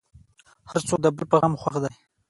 هر څوک د بل په غم خوښ دی.